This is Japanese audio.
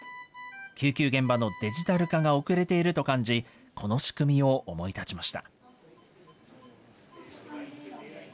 救急現場のデジタル化が遅れていると感じ、この仕組みを思い立ちました。